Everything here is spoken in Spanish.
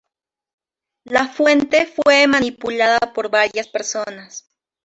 La fuente fue manipulada por varias personas.